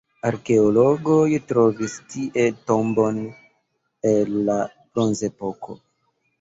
Arkeologoj trovis tie tombon el la bronzepoko.